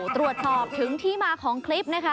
ตรวจสอบถึงที่มาของคลิปนะคะ